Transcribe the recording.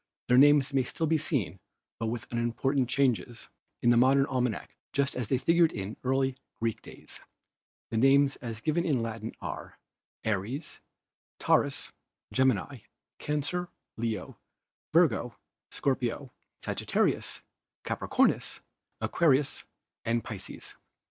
Their names may still be seen, with but unimportant changes, in a modern almanac just as they figured in early Greek days. The names as given in Latin are Aries, Tau rus, Gemini, Cancer, Leo, Virgo, Scorpio, Sagittarius, Capricornus, Aquarius and Pisces.